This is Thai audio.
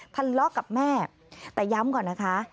ทะเลาะกับแม่แต่ย้ำก่อนนะคะ